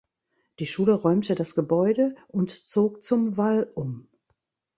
Die Schule räumte das Gebäude und zog zum Wall um.